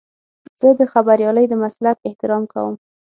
زه د خبریالۍ د مسلک احترام کوم.